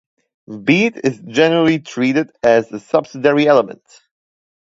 Beat is generally treated as a subsidiary element.